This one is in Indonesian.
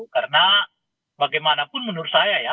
karena bagaimanapun menurut saya ya